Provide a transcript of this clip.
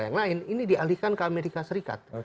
yang lain ini dialihkan ke amerika serikat